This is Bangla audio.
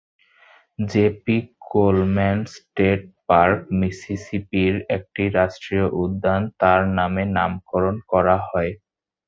J. P. Coleman State Park, মিসিসিপির একটি রাষ্ট্রীয় উদ্যান, তার নামে নামকরণ করা হয়।